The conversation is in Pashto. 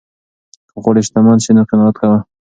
که غواړې شتمن شې نو قناعت کوه.